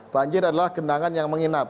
banjir adalah genangan yang menginap